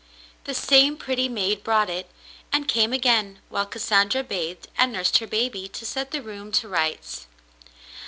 The same pretty maid brought it, and came again, while Cassandra bathed and nursed her baby, to set the room to rights.